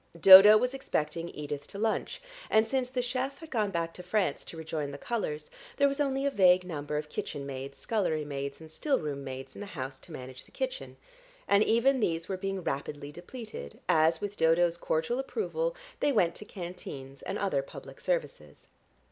Dodo was expecting Edith to lunch, and since the chef had gone back to France to rejoin the colours, there was only a vague number of kitchen maids, scullery maids and still room maids in the house to manage the kitchen, and even these were being rapidly depleted, as, with Dodo's cordial approval, they went to canteens and other public services.